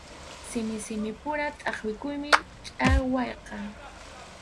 Simi simipura tʼaqwinakuymi chʼaqwayqa.